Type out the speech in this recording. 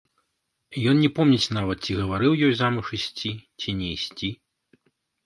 Ён не помніць нават, ці гаварыў ёй замуж ісці, ці не ісці.